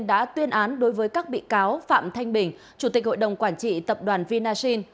đã tuyên án đối với các bị cáo phạm thanh bình chủ tịch hội đồng quản trị tập đoàn vinasin